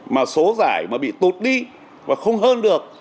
mà số giải mà bị tụt đi và không hơn được